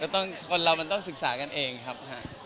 คนเรามันต้องศึกษากันเองครับ